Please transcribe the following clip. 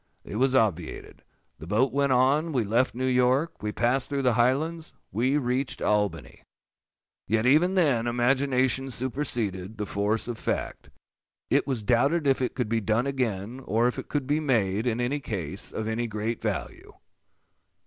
It was obviated. The boat went on; we left New York; we passed through the Highlands; we reached Albany!—Yet even then, imagination superseded the force of fact. _It was doubted if it could be done again, or if it could be made, in any case, of any great value.